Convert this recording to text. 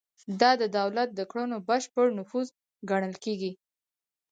دا د دولت د کړنو بشپړ نفوذ ګڼل کیږي.